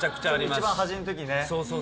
一番端の時ね。